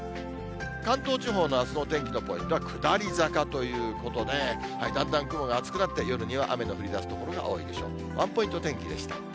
関東地方のあすのお天気のポイントは下り坂ということで、だんだん雲が厚くなって、夜には雨の降りだす所が多いでしょう。